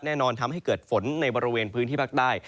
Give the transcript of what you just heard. แน่นอนทำให้เกิดฝนในบริเวณพื้นที่พักได้